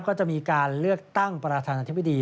ก็จะมีการเลือกตั้งประธานาธิบดี